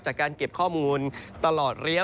จากการเก็บข้อมูลตลอดระยะ